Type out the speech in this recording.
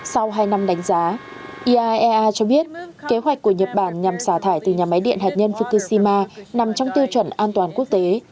sau hai năm đánh giá iaea cho biết kế hoạch của nhật bản nhằm xả thải từ nhà máy điện hạt nhân fukushima nằm trong tiêu chuẩn an toàn quốc tế